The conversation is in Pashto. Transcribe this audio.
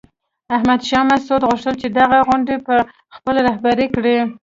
احمد شاه مسعود غوښتل چې دغه غونډه په خپله رهبري کړي.